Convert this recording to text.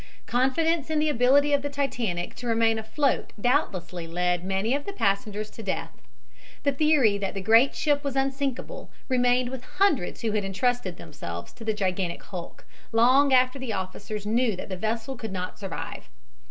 Confidence in the ability of the Titanic to remain afloat doubtlessly led many of the passengers to death. The theory that the great ship was unsinkable remained with hundreds who had entrusted themselves to the gigantic hulk, long after the officers knew that the vessel could not survive.